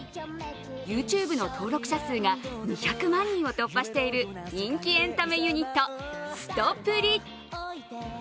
ＹｏｕＴｕｂｅの登録者数が２００万人を突破している人気エンタメユニット、すとぷり。